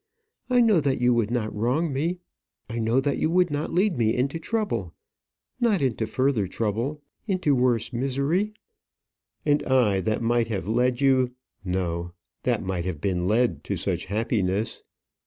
I know that you would not wrong me; I know you would not lead me into trouble not into further trouble; into worse misery." "And I, that might have led you no; that might have been led to such happiness!